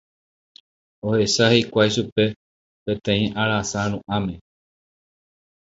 Ohecha hikuái chupe peteĩ arasa ru'ãme.